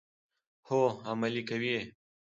هو، عملي کوي یې.